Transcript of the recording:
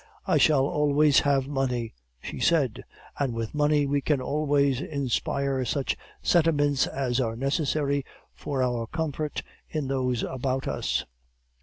"'I shall always have money,' she said; 'and with money we can always inspire such sentiments as are necessary for our comfort in those about us.